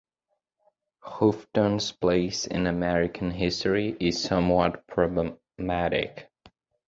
Houghton's place in American history is somewhat problematic.